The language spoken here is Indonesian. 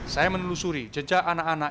saya menelusuri jejak anak anak